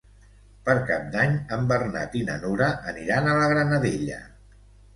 Per Cap d'Any en Bernat i na Nura aniran a la Granadella.